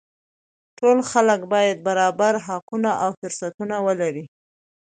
ټول خلک باید برابر حقونه او فرصتونه ولري